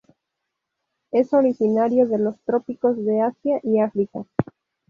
Es originario de los trópicos de Asia y África.